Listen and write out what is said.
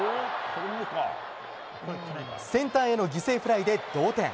センターへの犠牲フライで同点。